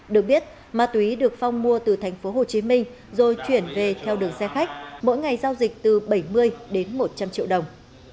được biết ma túy được phong mua từ thành phố hồ chí minh rồi chuyển về theo đường xe khách mỗi ngày giao dịch từ bảy mươi đến một trăm linh triệu đồng